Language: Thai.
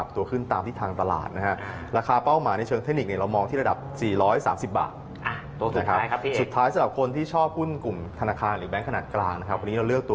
ตัวถัดไปต้องเป็นพี่ใหญ่และ